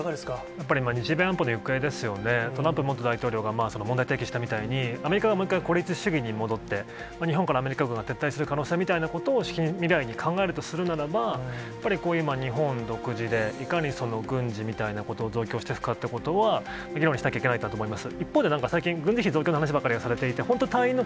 やっぱり、日米安保の行方ですよね、元大統領が問題提起したみたいに、アメリカがもう一回孤立主義に戻って、日本からアメリカ軍が撤退する可能性みたいなことを近未来に考えるとするならばやっぱりこういう日本独自で、いかにその軍事みたいなことを増強していくかっていうことは議論しなきゃいけないんだと思います。